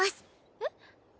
えっ？